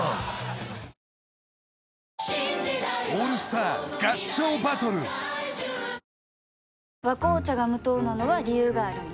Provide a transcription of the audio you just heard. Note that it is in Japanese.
タロ「和紅茶」が無糖なのは、理由があるんよ。